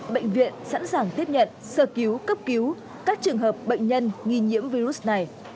bệnh viện sẵn sàng tiếp nhận sơ cứu cấp cứu các trường hợp bệnh nhân nghi nhiễm virus này